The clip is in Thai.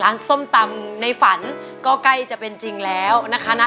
ส้มตำในฝันก็ใกล้จะเป็นจริงแล้วนะคะนะ